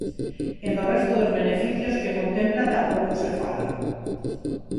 E do resto dos beneficios que contempla tampouco se fala.